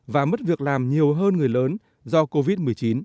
và mất việc làm nhiều hơn người lớn do covid một mươi chín